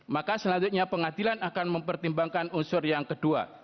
maka selanjutnya pengadilan akan mempertimbangkan unsur yang kedua